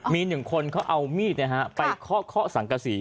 มี๑คนเขาเอามีดไปเคาะสังกษี